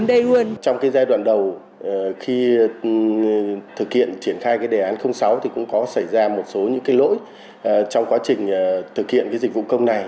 trong giai đoạn đầu khi thực hiện triển khai đề án sáu cũng có xảy ra một số lỗi trong quá trình thực hiện dịch vụ công này